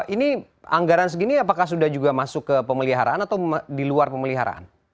ini anggaran segini apakah sudah juga masuk ke pemeliharaan atau di luar pemeliharaan